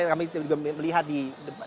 kami sudah melihat di kaca bis begitu